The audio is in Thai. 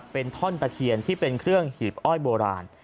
เป็นท่อนตะเคียนที่เป็นเครื่องหีบอ้อยโบราณ